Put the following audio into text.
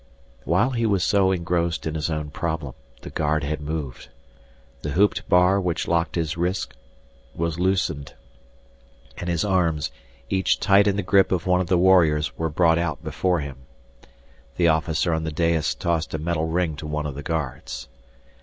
While he was so engrossed in his own problem, the guard had moved. The hooped bar which locked his wrists was loosened, and his arms, each tight in the grip of one of the warriors were brought out before him. The officer on the dais tossed a metal ring to one of the guards.